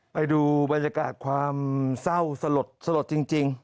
ไปดูบรรยากาศความเศร้าสลดจริง